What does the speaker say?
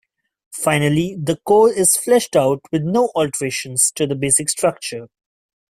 Finally, the core is fleshed out with no alterations to the basic structure.